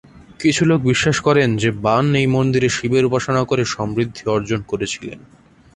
কিছু লোক বিশ্বাস করেন যে বাণ এই মন্দিরে শিবের উপাসনা করে সমৃদ্ধি অর্জন করেছিলেন।